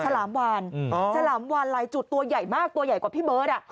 ฉลามวานฉลามวานลายจุดตัวใหญ่มากตัวใหญ่กว่าพี่เบิร์ต